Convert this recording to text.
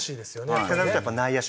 ってなるとやっぱ内野手？